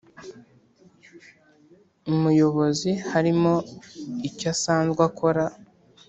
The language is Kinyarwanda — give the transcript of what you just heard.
Umuyobozi harimo icyo asanzwe akora